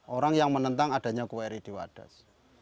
orang yang menentang adanya queri di wadas